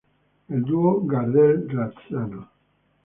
El dúo Gardel-Razzano.